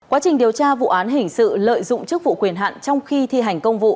quá trình điều tra vụ án hình sự lợi dụng chức vụ quyền hạn trong khi thi hành công vụ